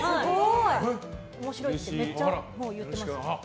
面白いってめっちゃ言ってます。